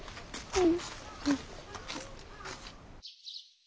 うん。